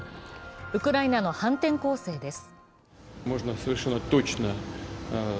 ウクライナの反転攻勢です。